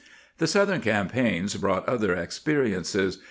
^ The southern campaigns brought other expe riences.